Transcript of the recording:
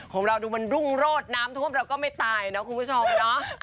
ของเราดูมันรุ่งโรดน้ำท่วมเราก็ไม่ตายนะคุณผู้ชมเนาะ